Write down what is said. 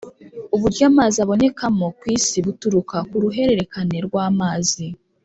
uburyo amazi abonekamo ku isi buturuka ku ruhererekane rw’amazi.